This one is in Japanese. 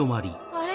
あれ？